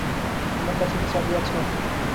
তোমার কাছে কি চাবি আছে?